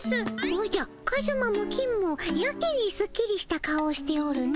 おじゃカズマも金もやけにすっきりした顔をしておるの。